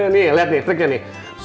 nih liat nih triknya nih